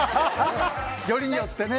よりによってね。